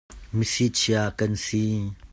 Mi sichia kan si.